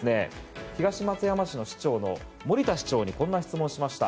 東松山市の市長の森田市長にこんな質問をしました。